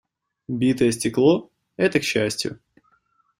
Битое стекло - это к счастью.